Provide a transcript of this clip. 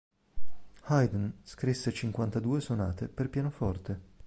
Haydn scrisse cinquantadue sonate per pianoforte.